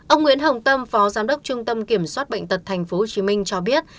ông nguyễn hồng tâm phó giám đốc trung tâm kiểm soát bệnh tật tp hcm cho biết